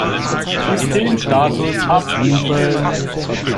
Systemstatus abrufen!